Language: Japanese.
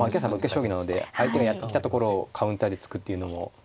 将棋なので相手がやってきたところをカウンターで突くっていうのも。